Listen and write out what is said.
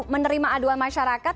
menerima aduan masyarakat